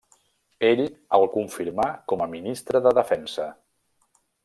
Ell el confirmà com a ministre de defensa.